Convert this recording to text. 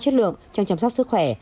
chất lượng trong chăm sóc sức khỏe